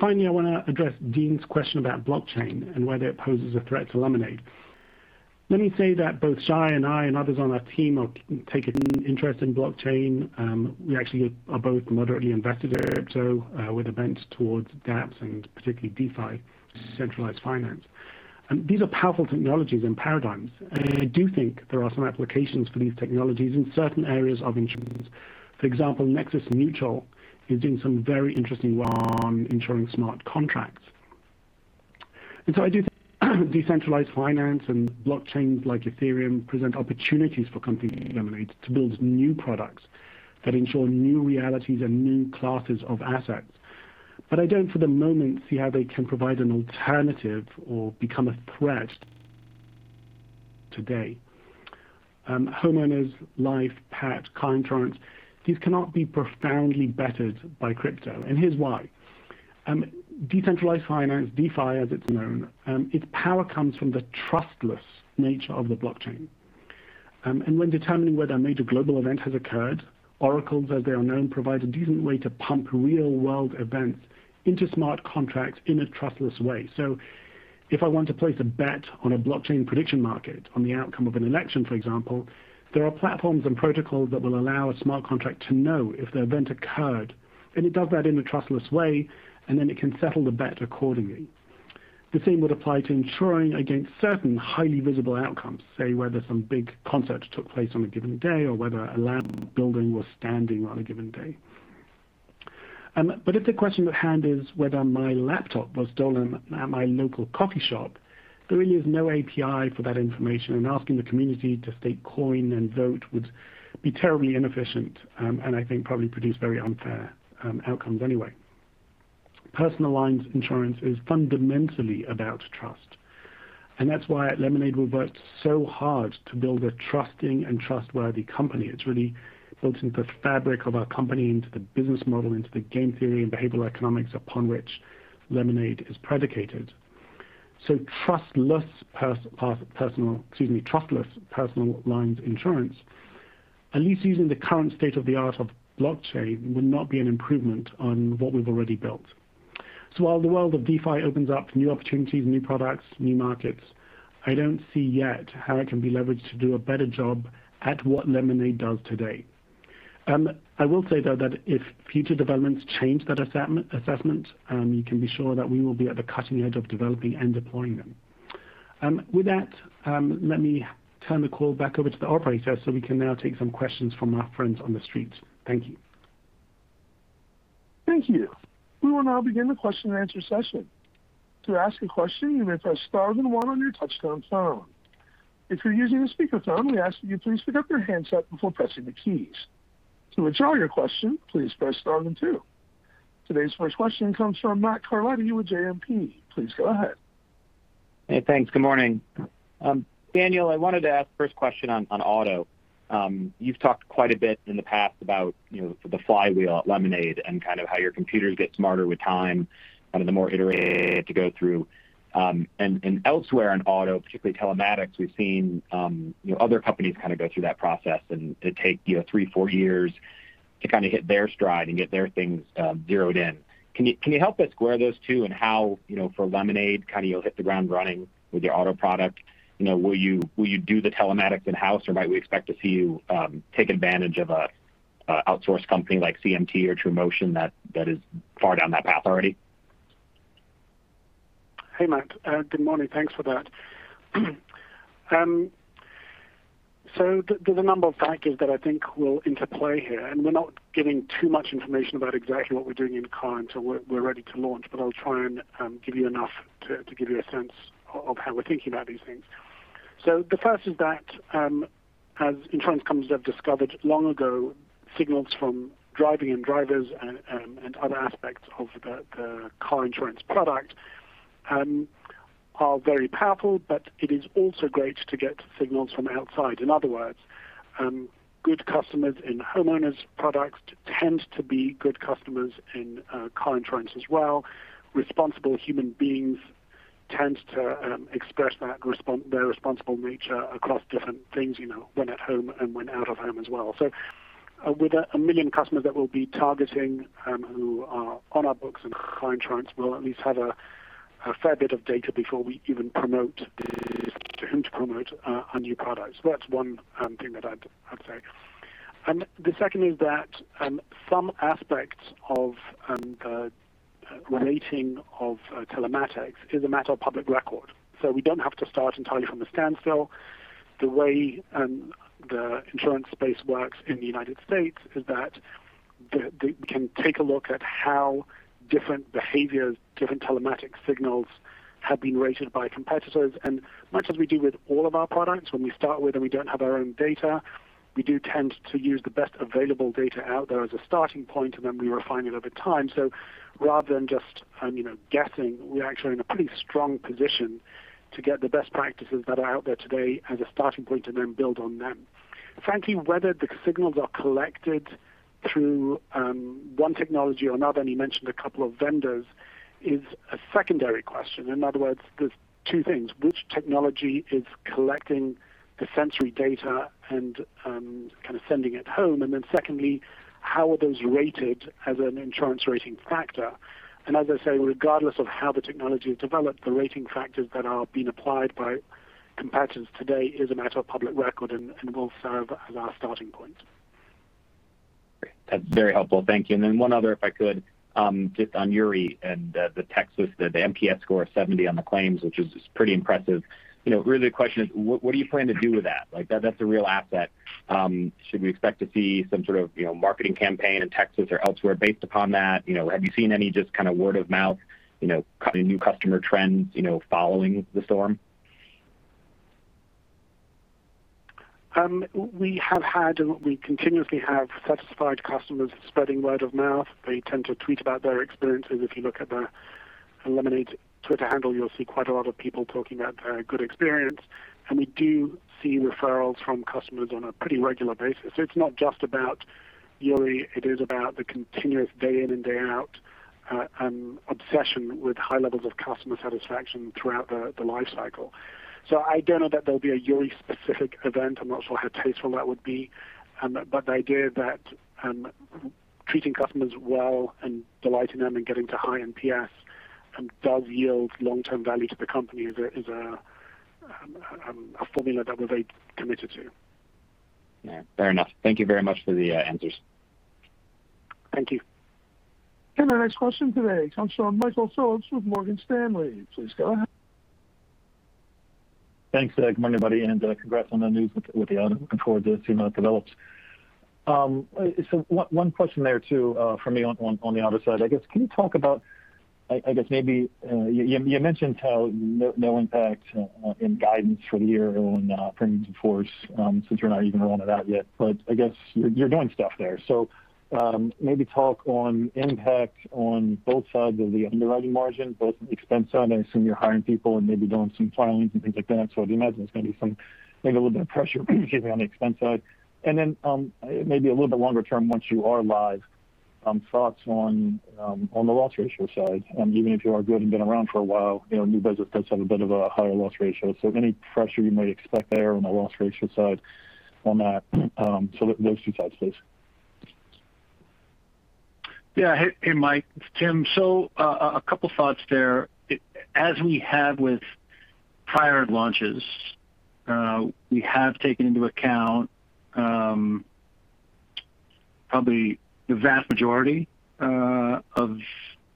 Finally, I want to address Dean's question about blockchain and whether it poses a threat to Lemonade. Let me say that both Shai and I, and others on our team, have taken an interest in blockchain. We actually are both moderately invested there too, with a bent towards dApps and particularly DeFi, decentralized finance. These are powerful technologies and paradigms. I do think there are some applications for these technologies in certain areas of insurance. For example, Nexus Mutual is doing some very interesting work on ensuring smart contracts. I do think decentralized finance and blockchains like Ethereum present opportunities for companies like Lemonade to build new products that ensure new realities and new classes of assets. I don't, for the moment, see how they can provide an alternative or become a threat to today. Homeowners, Life, Pet, Car insurance, these cannot be profoundly bettered by crypto, and here's why. Decentralized finance, DeFi as it's known, its power comes from the trustless nature of the blockchain. When determining whether a major global event has occurred, oracles, as they are known, provide a decent way to pump real-world events into smart contracts in a trustless way. If I want to place a bet on a blockchain prediction market on the outcome of an election, for example, there are platforms and protocols that will allow a smart contract to know if the event occurred, and it does that in a trustless way, and then it can settle the bet accordingly. The same would apply to insuring against certain highly visible outcomes, say, whether some big concert took place on a given day or whether a landmark building was standing on a given day. If the question at hand is whether my laptop was stolen at my local coffee shop, there really is no API for that information, and asking the community to stake coin and vote would be terribly inefficient, and I think probably produce very unfair outcomes anyway. Personal lines insurance is fundamentally about trust, and that's why at Lemonade, we've worked so hard to build a trusting and trustworthy company. It's really built into the fabric of our company, into the business model, into the game theory and behavioral economics upon which Lemonade is predicated. Trustless personal lines insurance, at least using the current state of the art of blockchain, would not be an improvement on what we've already built. While the world of DeFi opens up new opportunities, new products, new markets, I don't see yet how it can be leveraged to do a better job at what Lemonade does today. I will say, though, that if future developments change that assessment, you can be sure that we will be at the cutting edge of developing and deploying them. With that, let me turn the call back over to the operator so we can now take some questions from our friends on the streets. Thank you. Thank you. We will now begin the question and answer session. Today's first question comes from Matt Carletti with JMP. Please go ahead. Hey, thanks. Good morning. Daniel, I wanted to ask the first question on auto. You've talked quite a bit in the past about the flywheel at Lemonade and kind of how your computers get smarter with time, kind of the more iterate to go through. Elsewhere in auto, particularly telematics, we've seen other companies kind of go through that process and take three, four years to kind of hit their stride and get their things zeroed in. Can you help us square those two and how for Lemonade, kind of you'll hit the ground running with your auto product? Will you do the telematics in-house, or might we expect to see you take advantage of a outsourced company like CMT or TrueMotion that is far down that path already? Hey, Matt. Good morning. Thanks for that. There's a number of factors that I think will interplay here, and we're not giving too much information about exactly what we're doing in car until we're ready to launch, but I'll try and give you enough to give you a sense of how we're thinking about these things. In other words, good customers in homeowners products tend to be good customers in car insurance as well. Responsible human beings tend to express their responsible nature across different things when at home and when out of home as well. With 1 million customers that we'll be targeting who are on our books, and car insurance will at least have a fair bit of data before we even promote to whom to promote our new products. That's one thing that I'd say. The second is that some aspects of the rating of telematics is a matter of public record. We don't have to start entirely from a standstill. The way the insurance space works in the U.S. is that we can take a look at how different behaviors, different telematics signals have been rated by competitors. Much as we do with all of our products, when we start with and we don't have our own data, we do tend to use the best available data out there as a starting point, and then we refine it over time. Rather than just guessing, we're actually in a pretty strong position to get the best practices that are out there today as a starting point and then build on them. Frankly, whether the signals are collected through one technology or another, and you mentioned a couple of vendors, is a secondary question. In other words, there's two things. Which technology is collecting the sensory data and kind of sending it home, and then secondly, how are those rated as an insurance rating factor? As I say, regardless of how the technology is developed, the rating factors that are being applied by competitors today is a matter of public record and will serve as our starting point. Great. That's very helpful. Thank you. Then one other, if I could just on Uri and the Texas, the NPS score of 70 on the claims, which is pretty impressive. Really, the question is what do you plan to do with that? That's a real asset. Should we expect to see some sort of marketing campaign in Texas or elsewhere based upon that? Have you seen any just kind of word of mouth, new customer trends following the storm? We have had, and we continuously have, satisfied customers spreading word of mouth. They tend to tweet about their experiences. If you look at the Lemonade Twitter handle, you'll see quite a lot of people talking about their good experience. We do see referrals from customers on a pretty regular basis. It's not just about yearly, it is about the continuous day in and day out obsession with high levels of customer satisfaction throughout the life cycle. I don't know that there'll be a yearly specific event. I'm not sure how tasteful that would be. The idea that treating customers well and delighting them and getting to high NPS does yield long-term value to the company is a formula that we're very committed to. Yeah. Fair enough. Thank you very much for the answers. Thank you. Our next question today comes from Michael Phillips with Morgan Stanley. Please go ahead. Thanks, Ed. Good morning, everybody, and congrats on the news with the auto. Looking forward to see how that develops. One question there, too, from me on the auto side, I guess, can you talk about, you mentioned no impact in guidance for the year on in-force premium since you're not even rolling it out yet, but I guess you're doing stuff there. Maybe talk on impact on both sides of the underwriting margin, both the expense side, I assume you're hiring people, and maybe doing some filings and things like that. I would imagine there's going to be maybe a little bit of pressure on the expense side. Maybe a little bit longer term once you are live, thoughts on the loss ratio side, even if you are good and been around for a while, new business does have a bit of a higher loss ratio. Any pressure you may expect there on the loss ratio side on that? Those two sides, please. Yeah. Hey, Mike. It's Tim. A couple thoughts there. As we have with prior launches, we have taken into account probably the vast majority of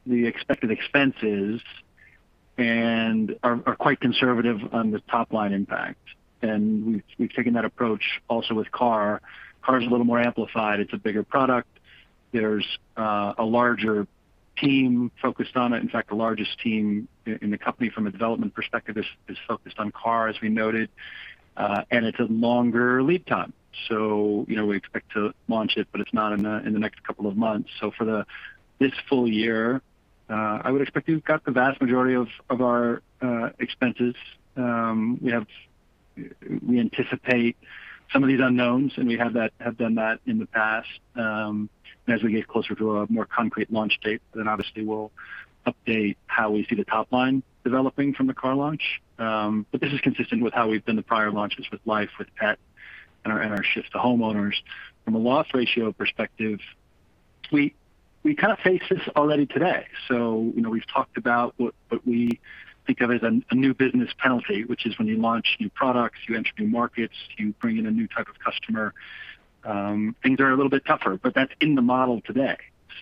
the expected expenses and are quite conservative on the top-line impact. We've taken that approach also with Car. Car's a little more amplified. It's a bigger product. There's a larger team focused on it. In fact, the largest team in the company from a development perspective is focused on Car, as we noted. It's a longer lead time. We expect to launch it, but it's not in the next couple of months. For this full year, I would expect we've got the vast majority of our expenses. We anticipate some of these unknowns, and we have done that in the past. As we get closer to a more concrete launch date, obviously, we'll update how we see the top line developing from the car launch. This is consistent with how we've done the prior launches with Life, with Pet, and our shift to homeowners. From a loss ratio perspective, we kind of face this already today. We've talked about what we think of as a new business penalty, which is when you launch new products, you enter new markets, you bring in a new type of customer, things are a little bit tougher. That's in the model today.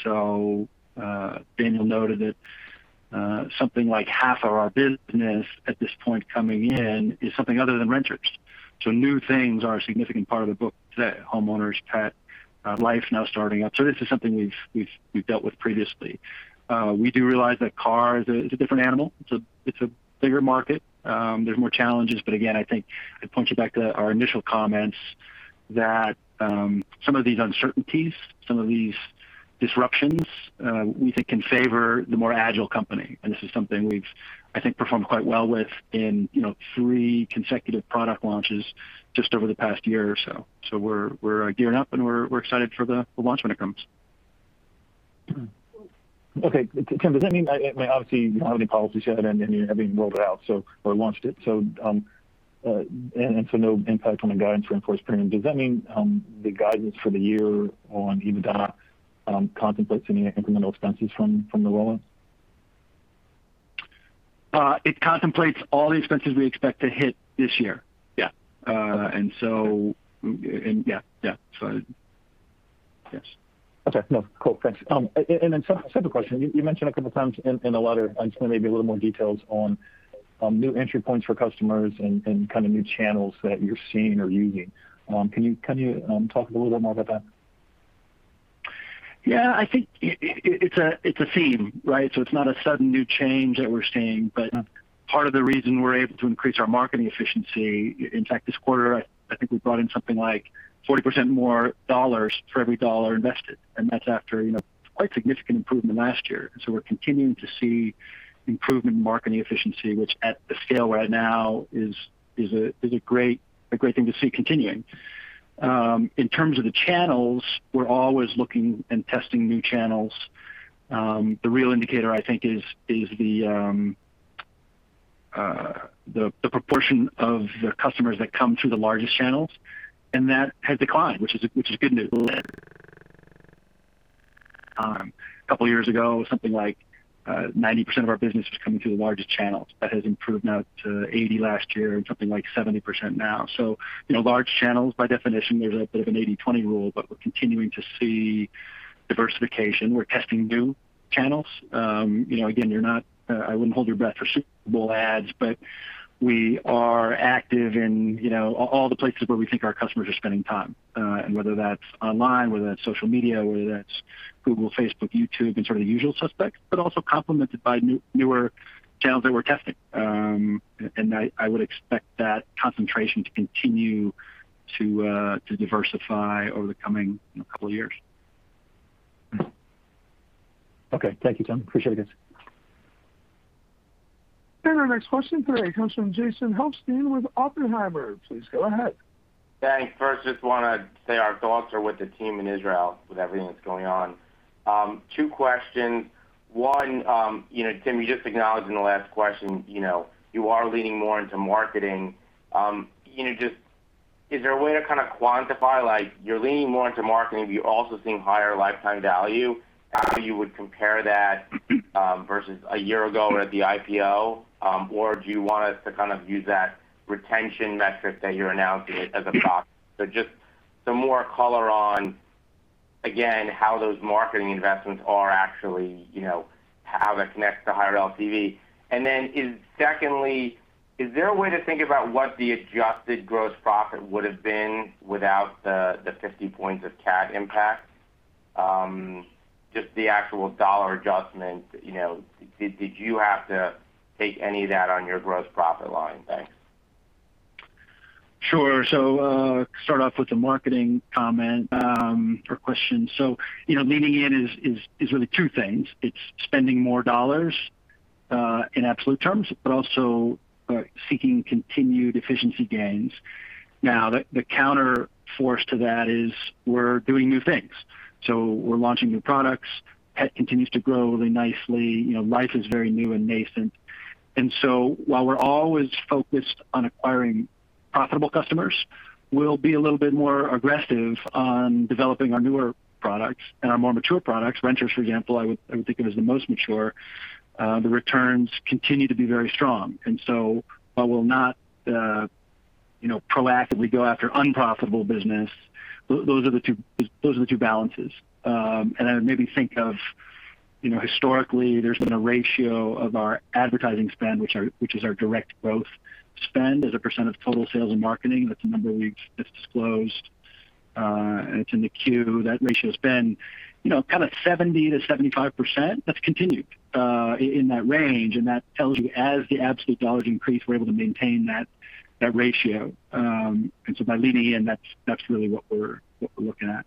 Daniel noted that something like half of our business at this point coming in is something other than renters. New things are a significant part of the book today. Homeowners, Pet, Life now starting up. This is something we've dealt with previously. We do realize that a car is a different animal. It's a bigger market. There's more challenges. Again, I think I'd point you back to our initial comments that some of these uncertainties, some of these disruptions, we think can favor the more agile company. This is something we've, I think, performed quite well with in three consecutive product launches just over the past year or so. We're gearing up, and we're excited for the launch when it comes. Okay. Tim, does that mean, obviously, you don't have any policies yet, and you haven't even rolled it out or launched it, and so no impact on the guidance in-force premium? Does that mean the guidance for the year on EBITDA contemplates any incremental expenses from the rollout? It contemplates all the expenses we expect to hit this year. Yeah. Yeah. Yes. Okay. No, cool. Thanks. Second question, you mentioned a couple times, I just want maybe a little more details on new entry points for customers and kind of new channels that you're seeing or using. Can you talk a little bit more about that? Yeah, I think it's a theme, right? It's not a sudden new change that we're seeing, but part of the reason we're able to increase our marketing efficiency, in fact, this quarter, I think we brought in something like 40% more dollars for every dollar invested. That's after quite significant improvement last year. We're continuing to see improvement in marketing efficiency, which, at the scale right now, is a great thing to see continuing. In terms of the channels, we're always looking and testing new channels. The real indicator, I think, is the proportion of the customers that come through the largest channels, and that has declined, which is good news. A couple years ago, something like 90% of our business was coming through the largest channels. That has improved now to 80% last year and something like 70% now. Large channels by definition, there's a bit of an 80/20 rule, but we're continuing to see diversification. We're testing new channels. Again, I wouldn't hold your breath for Super Bowl ads, but we are active in all the places where we think our customers are spending time. Whether that's online, whether that's social media, whether that's Google, Facebook, YouTube, and sort of the usual suspects, but also complemented by newer channels that we're testing. I would expect that concentration to continue to diversify over the coming couple years. Okay. Thank you, Tim. Appreciate it. Our next question today comes from Jason Helfstein with Oppenheimer. Please go ahead. Thanks. First, just want to say our thoughts are with the team in Israel, with everything that's going on. Two questions. One, Tim, you just acknowledged in the last question: you know you are leaning more into marketing. Is there a way to kind of quantify, like you're leaning more into marketing, but you're also seeing higher lifetime value? How you would compare that versus a year ago at the IPO? Do you want us to kind of use that retention metric that you're announcing as a proxy? Just some more color on, again, how those marketing investments are actually, how that connects to higher LTV. Secondly, is there a way to think about what the adjusted gross profit would've been without the 50 points of CAT impact? Just the actual dollar adjustment. Did you have to take any of that on your gross profit line? Thanks. Sure. Start off with the marketing comment or question. Leaning in is really two things. It's spending more dollars in absolute terms, but also seeking continued efficiency gains. Now, the counterforce to that is we're doing new things. We're launching new products. Pet continues to grow really nicely. Life is very new and nascent. While we're always focused on acquiring profitable customers, we'll be a little bit more aggressive on developing our newer products and our more mature products. Renters, for example, I would think of as the most mature. The returns continue to be very strong, and so while we'll not proactively go after unprofitable business, those are the two balances. I would maybe think of historically there's been a ratio of our advertising spend, which is our direct growth spend as a percent of total sales and marketing. That's a number we've disclosed, and it's in the Q. That ratio's been kind of 70%-75%. That's continued in that range. That tells you as the absolute dollars increase, we're able to maintain that ratio. By leaning in, that's really what we're looking at.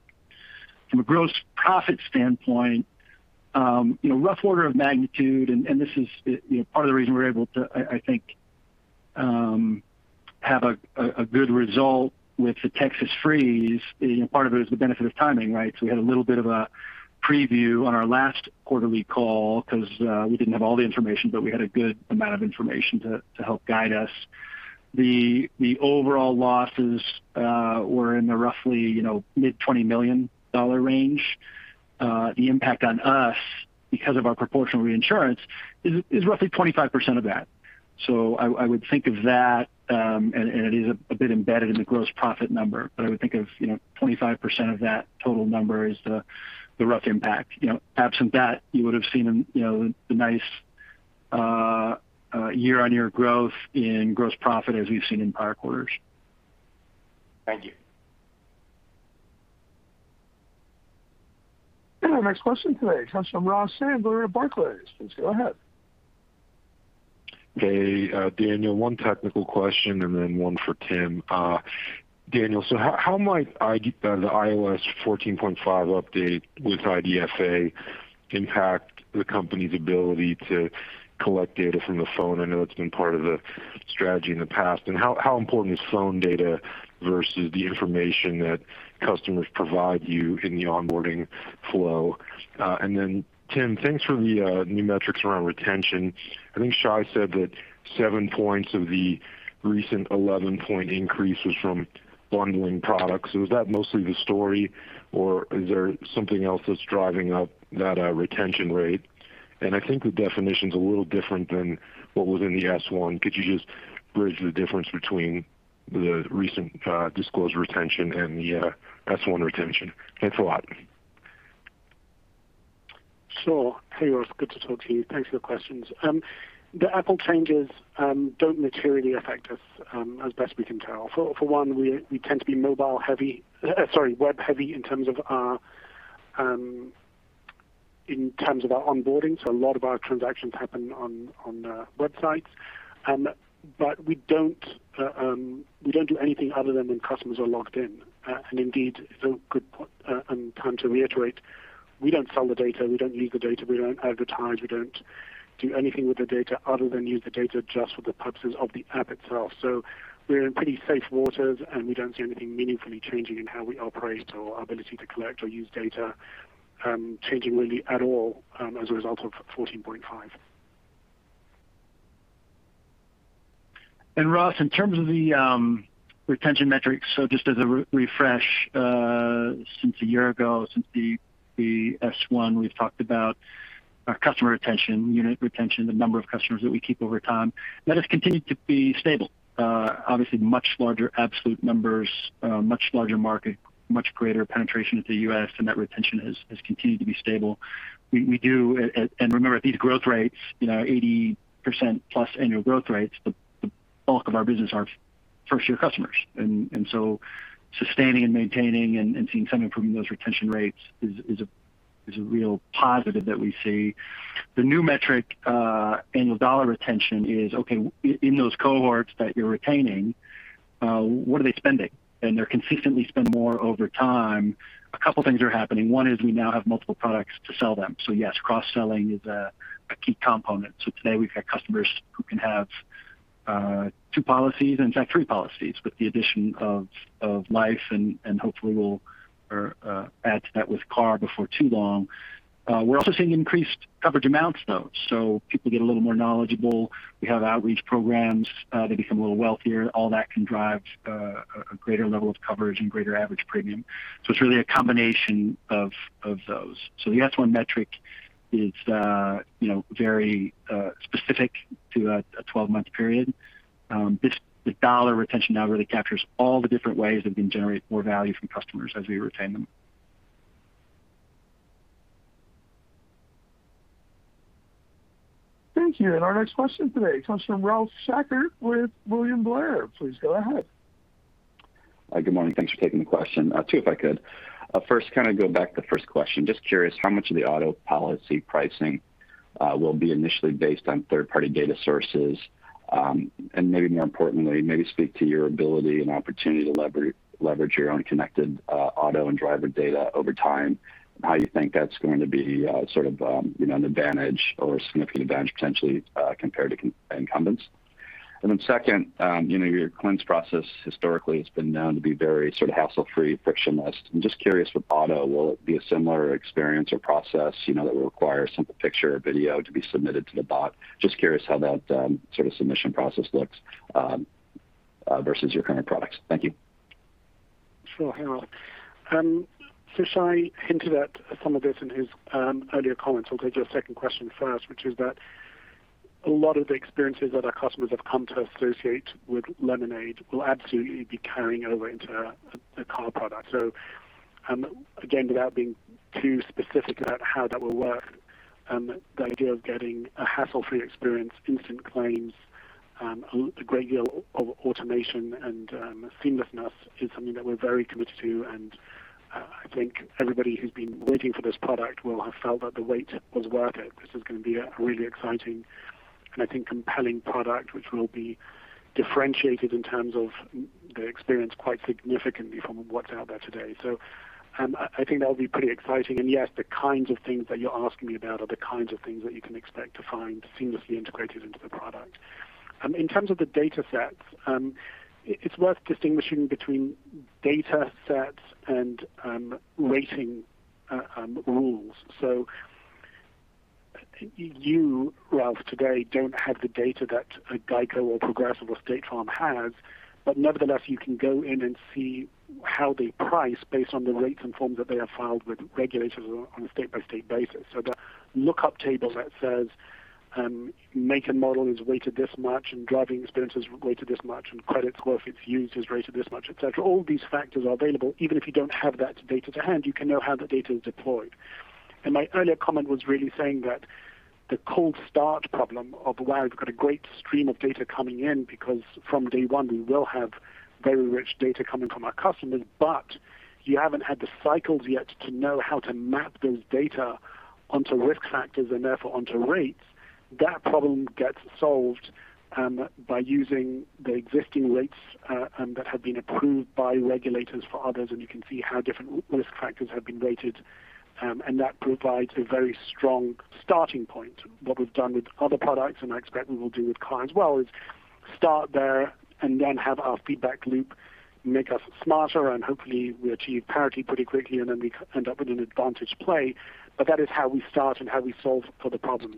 From a gross profit standpoint, rough order of magnitude, this is part of the reason we're able to, I think, have a good result with the Texas freeze. Part of it is the benefit of timing, right? We had a little bit of a preview on our last quarterly call because we didn't have all the information. We had a good amount of information to help guide us. The overall losses were in the roughly mid-$20 million range. The impact on us, because of our proportional reinsurance, is roughly 25% of that. I would think of that, and it is a bit embedded in the gross profit number, but I would think of 25% of that total number as the rough impact. Absent that, you would've seen a nice year-on-year growth in gross profit as we've seen in prior quarters. Thank you. Our next question today comes from Ross Sandler at Barclays. Please go ahead. Hey, Daniel, one technical question and then one for Tim. Daniel, how might the iOS 14.5 update with IDFA impact the company's ability to collect data from the phone? I know that's been part of the strategy in the past. How important is phone data versus the information that customers provide you in the onboarding flow? Tim, thanks for the new metrics around retention. I think Shai said that seven points of the recent 11-point increase was from bundling products. Is that mostly the story, or is there something else that's driving up that retention rate? I think the definition's a little different than what was in the S-1. Could you just bridge the difference between the recent disclosed retention and the S-1 retention? Thanks a lot. Sure. Hey Ross, good to talk to you. Thanks for your questions. The Apple changes don't materially affect us, as best we can tell. For one, we tend to be mobile-heavy, sorry, web-heavy in terms of our onboarding. A lot of our transactions happen on websites. We don't do anything other than when customers are logged in. Indeed, it's a good point and time to reiterate, we don't sell the data, we don't use the data, we don't advertise, we don't do anything with the data other than use the data just for the purposes of the app itself. We are in pretty safe waters, and we don't see anything meaningfully changing in how we operate or our ability to collect or use data changing really at all as a result of 14.5. Ross, in terms of the retention metrics, just as a refresh, since a year ago, since the S-1, we've talked about our customer retention, unit retention, the number of customers that we keep over time. That has continued to be stable. Obviously, much larger absolute numbers, much larger market, much greater penetration into the U.S. and that retention has continued to be stable. Remember, at these growth rates, 80%+ annual growth rates, the bulk of our business are first year customers. Sustaining and maintaining and seeing some improvement in those retention rates is a real positive that we see. The new metric, annual dollar retention, is okay, in those cohorts that you're retaining, what are they spending? They consistently spend more over time. A couple of things are happening. One is we now have multiple products to sell them. Yes, cross-selling is a key component. Today we've got customers who can have two policies, in fact, three policies with the addition of Lemonade Life and hopefully we'll add to that with Lemonade Car before too long. We're also seeing increased coverage amounts though. People get a little more knowledgeable. We have outreach programs. They become a little wealthier. All that can drive a greater level of coverage and greater average premium. It's really a combination of those. The S-1 metric is very specific to a 12-month period. The dollar retention now really captures all the different ways that we can generate more value from customers as we retain them. Thank you. Our next question today comes from Ralph Schackart with William Blair. Please go ahead. Good morning. Thanks for taking the question. Two, if I could. First, go back to the first question. Just curious, how much of the auto policy pricing will be initially based on third-party data sources? Maybe more importantly, maybe speak to your ability and opportunity to leverage your own connected auto and driver data over time, and how you think that's going to be an advantage or a significant advantage potentially compared to incumbents. Second, your claims process historically has been known to be very hassle-free, frictionless. I'm just curious with auto, will it be a similar experience or process that will require a simple picture or video to be submitted to the bot? Just curious how that submission process looks versus your current products. Thank you. Sure, Schackart. Shai hinted at some of this in his earlier comments. I'll take your second question first, which is that a lot of the experiences that our customers have come to associate with Lemonade will absolutely be carrying over into the car product. Again, without being too specific about how that will work, the idea of getting a hassle-free experience, instant claims, a great deal of automation and seamlessness is something that we're very committed to, and I think everybody who's been waiting for this product will have felt that the wait was worth it. This is going to be a really exciting and I think compelling product, which will be differentiated in terms of the experience quite significantly from what's out there today. I think that'll be pretty exciting, and yes, the kinds of things that you're asking me about are the kinds of things that you can expect to find seamlessly integrated into the product. In terms of the data sets, it's worth distinguishing between data sets and rating rules. You, Ralph, today don't have the data that a GEICO or Progressive or State Farm has, but nevertheless, you can go in and see how they price based on the rates and forms that they have filed with regulators on a state-by-state basis. The lookup table that says make and model is rated this much, and driving experience is rated this much, and credit worthiness is rated this much, et cetera. All these factors are available even if you don't have that data to hand; you can know how the data is deployed. My earlier comment was really saying that the cold start problem of where we've got a great stream of data coming in because from day one we will have very rich data coming from our customers, but you haven't had the cycles yet to know how to map those data onto risk factors and therefore onto rates. That problem gets solved by using the existing rates that have been approved by regulators for others, and you can see how different risk factors have been rated, and that provides a very strong starting point. What we've done with other products and I expect we will do with car as well is start there and then have our feedback loop make us smarter and hopefully we achieve parity pretty quickly and then we end up with an advantage play. That is how we start and how we solve for the problem.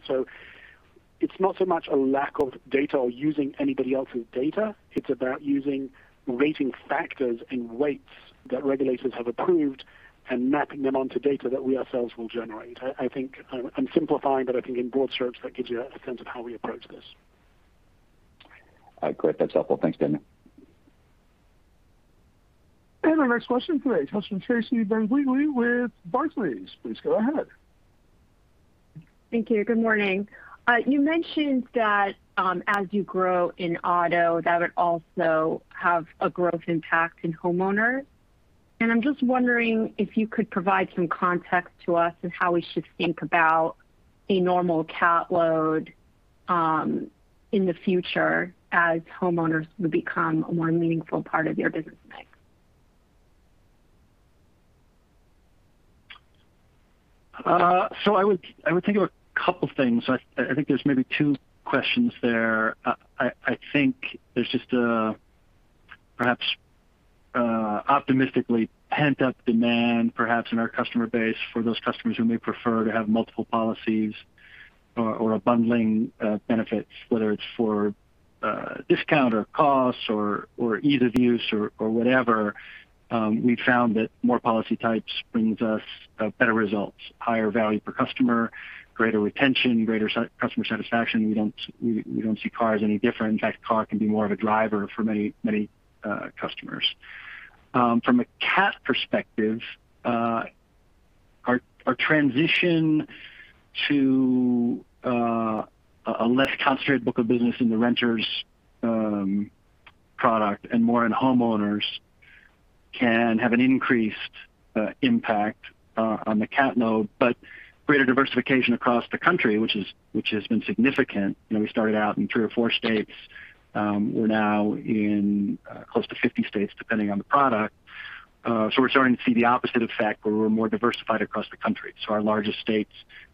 It's not so much a lack of data or using anybody else's data; it's about using rating factors and weights that regulators have approved and mapping them onto data that we ourselves will generate. I'm simplifying, but I think in broad strokes that gives you a sense of how we approach this. Great. That's helpful. Thanks, Daniel. Our next question today comes from Tracy Benguigui with Barclays. Please go ahead. Thank you. Good morning. You mentioned that as you grow in auto, that would also have a growth impact in homeowner. I'm just wondering if you could provide some context to us on how we should think about a normal CAT load in the future, as homeowners would become a more meaningful part of your business mix? I would think of a couple things. I think there's maybe two questions there. I think there's just perhaps optimistically pent-up demand perhaps in our customer base for those customers who may prefer to have multiple policies or are bundling benefits, whether it's for discount or cost or ease of use or whatever. We've found that more policy types brings us better results, higher value per customer, greater retention, greater customer satisfaction. We don't see cars any different. In fact, car can be more of a driver for many customers. From a CAT perspective, our transition to a less concentrated book of business in the renter's product and more in homeowners can have an increased impact on the CAT load, but greater diversification across the country, which has been significant. We started out in three or four states. We're now in close to 50 states, depending on the product. We're starting to see the opposite effect, where we're more diversified across the country. Our largest states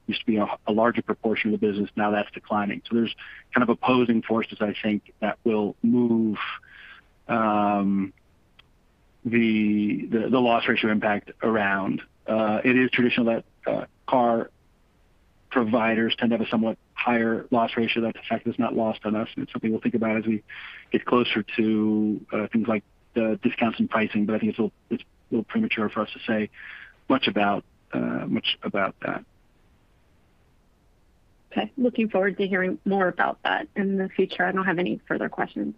used to be a larger proportion of the business. Now that's declining. There's kind of opposing forces, I think, that will move the loss ratio impact around. It is traditional that car providers tend to have a somewhat higher loss ratio. That fact is not lost on us, and it's something we'll think about as we get closer to things like the discounts and pricing. I think it's a little premature for us to say much about that. Okay. Looking forward to hearing more about that in the future. I don't have any further questions.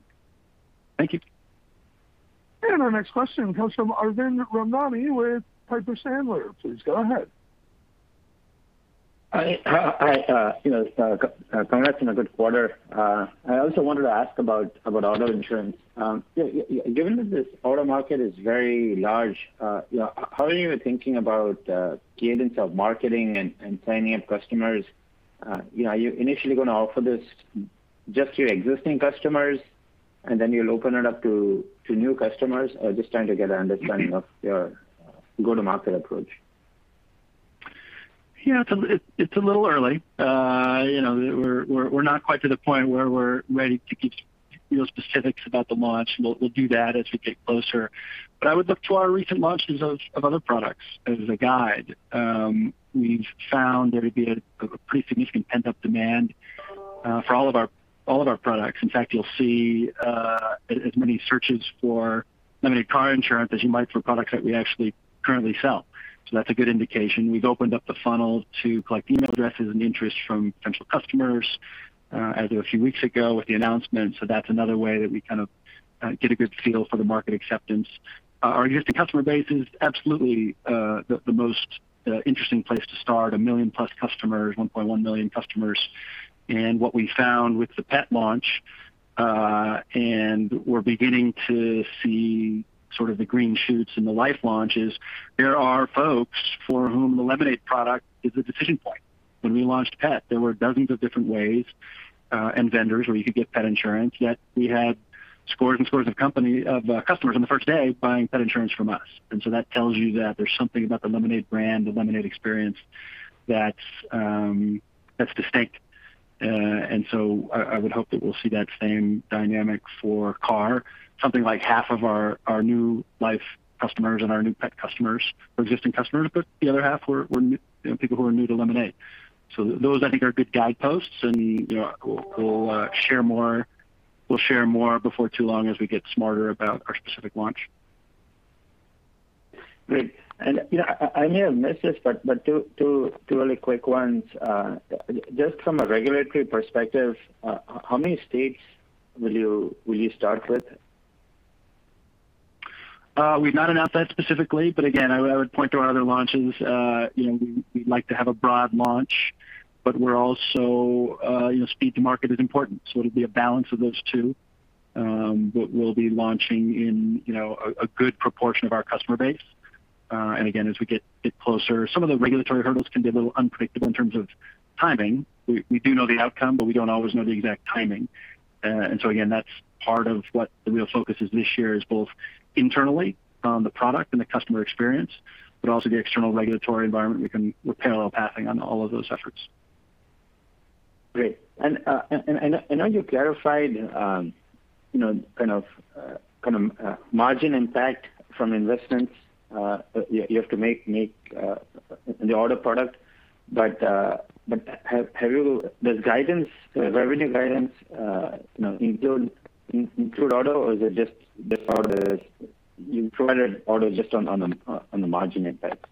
Thank you. Our next question comes from Arvind Ramnani with Piper Sandler. Please go ahead. Hi. Congrats on a good quarter. I also wanted to ask about auto insurance. Given that this auto market is very large, how are you thinking about cadence of marketing and signing up customers? Are you initially going to offer this just to your existing customers, and then you'll open it up to new customers? I am just trying to get an understanding of your go-to-market approach. Yeah, it's a little early. We're not quite to the point where we're ready to give real specifics about the launch. We'll do that as we get closer. I would look to our recent launches of other products as a guide. We've found there to be a pretty significant pent-up demand for all of our products. In fact, you'll see as many searches for Lemonade Car insurance as you might for products that we actually currently sell. That's a good indication. We've opened up the funnel to collect email addresses and interest from potential customers as of a few weeks ago with the announcement. That's another way that we kind of get a good feel for the market acceptance. Our existing customer base is absolutely the most interesting place to start. 1 million+ customers, 1.1 million customers. What we found with the Pet launch, and we're beginning to see sort of the green shoots in the life launches. There are folks for whom the Lemonade product is a decision point. When we launched Pet, there were dozens of different ways and vendors where you could get pet insurance, yet we had scores and scores of customers on the first day buying pet insurance from us. That tells you that there's something about the Lemonade brand, the Lemonade experience that's distinct. I would hope that we'll see that same dynamic for car. Something like half of our new life customers and our new pet customers were existing customers, but the other half were people who are new to Lemonade. Those, I think, are good guideposts, and we'll share more before too long as we get smarter about our specific launch. Great. I may have missed this, but two really quick ones. Just from a regulatory perspective, how many states will you start with? We've not announced that specifically, but again, I would point to our other launches. We like to have a broad launch, but we're also speed to market is important, so it'll be a balance of those two. We'll be launching in a good proportion of our customer base. Again, as we get closer, some of the regulatory hurdles can be a little unpredictable in terms of timing. We do know the outcome, but we don't always know the exact timing. Again, that's part of what the real focus is this year, is both internally on the product and the customer experience, but also the external regulatory environment. We're parallel pathing on all of those efforts. Great. I know you clarified kind of margin impact from investments you have to make in the auto product. Does revenue guidance include auto, or is it just without it? You included auto just on the margin impact.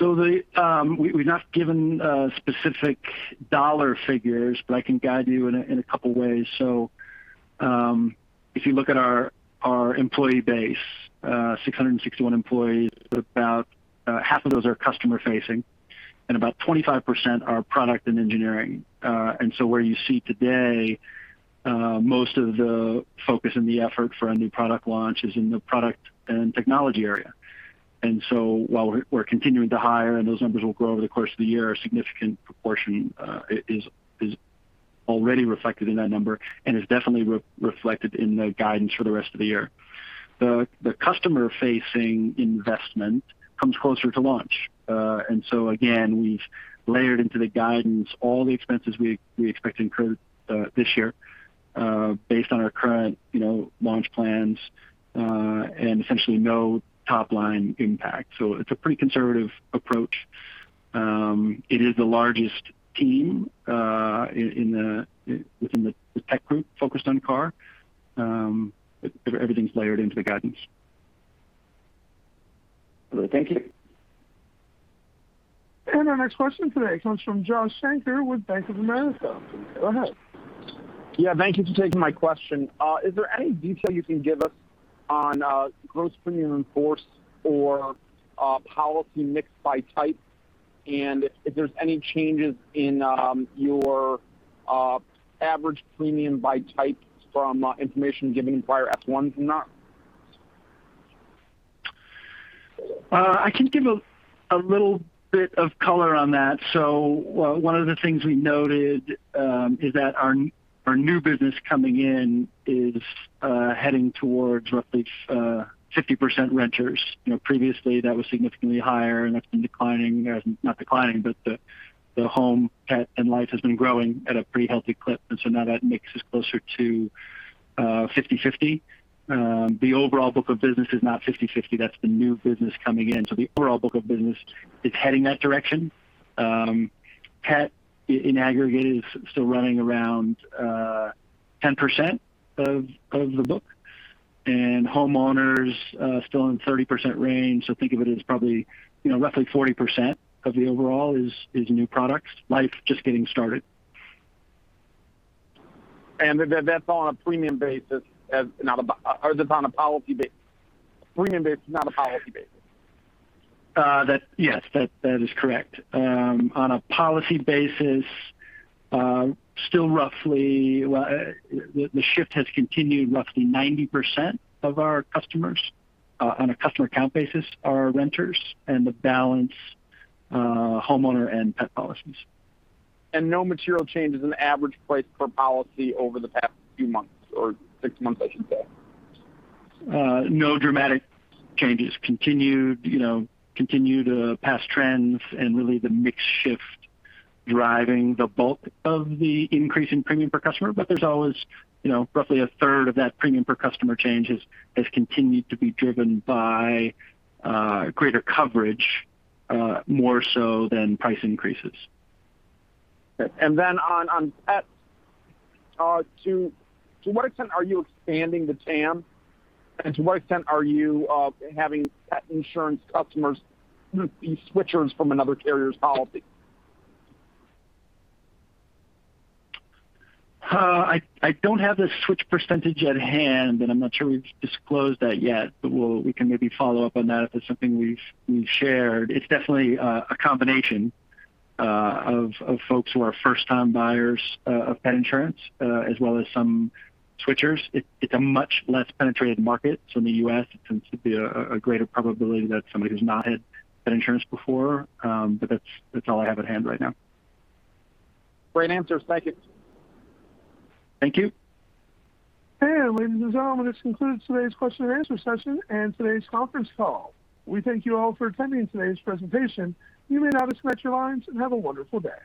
We've not given specific dollar figures, but I can guide you in a couple ways. If you look at our employee base, 661 employees, about half of those are customer-facing, and about 25% are product and engineering. What you see today, most of the focus and the effort for our new product launch is in the product and technology area. While we're continuing to hire, and those numbers will grow over the course of the year, a significant proportion is already reflected in that number and is definitely reflected in the guidance for the rest of the year. The customer-facing investment comes closer to launch. Again, we've layered into the guidance all the expenses we expect to incur this year based on our current launch plans, and essentially no top-line impact. It's a pretty conservative approach. It is the largest team within the tech group focused on Car. Everything's layered into the guidance. Thank you. Our next question today comes from Josh Shanker with Bank of America. Go ahead. Yeah, thank you for taking my question. Is there any detail you can give us on gross premium in force or policy mix by type, and if there's any changes in your average premium by type from information given in prior filings? I can give a little bit of color on that. One of the things we noted is that our new business coming in is heading towards roughly 50% renters. Previously, that was significantly higher, and that's been declining. Not declining, but the home, pet, and life has been growing at a pretty healthy clip, and so now that mix is closer to 50/50. The overall book of business is not 50/50. That's the new business coming in. The overall book of business is heading that direction. Pet in aggregate is still running around 10% of the book, and homeowners still in 30% range. Think of it as probably roughly 40% of the overall is new products. Life, just getting started. That's on a premium basis, or is it on a policy basis? Premium basis, not a policy basis. Yes, that is correct. On a policy basis, the shift has continued. Roughly 90% of our customers on a customer count basis are renters, and the balance, homeowner and pet policies. No material changes in average price per policy over the past few months, or six months, I should say. No dramatic changes. Continue to pass trends and really the mix shift driving the bulk of the increase in premium per customer. There's always roughly a third of that premium per customer change has continued to be driven by greater coverage, more so than price increases. Then on Pets, to what extent are you expanding the TAM, and to what extent are you having pet insurance customers be switchers from another carrier's policy? I don't have the switch percentage at hand, and I'm not sure we've disclosed that yet, but we can maybe follow up on that if it's something we've shared. It's definitely a combination of folks who are first-time buyers of pet insurance, as well as some switchers. It's a much less penetrated market, so in the U.S., it tends to be a greater probability that somebody who's not had pet insurance before. That's all I have at hand right now. Great answer. Thank you. Thank you. Ladies and gentlemen, this concludes today's question and answer session and today's conference call. We thank you all for attending today's presentation. You may now disconnect your lines and have a wonderful day.